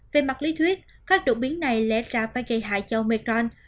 về mặt lý thuyết các đột biến này lẽ ra phải gây hại cho mecron